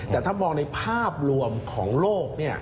แต่ถ้ามองในภาพรวมของโลก